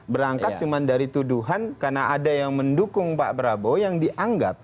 berangkat cuma dari tuduhan karena ada yang mendukung pak prabowo yang dianggap